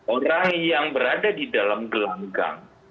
orang yang berada di dalam gelanggang